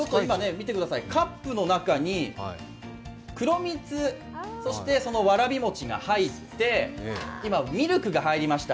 カップの中に黒蜜、わらび餅が入って今、ミルクが入りました。